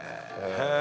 へえ！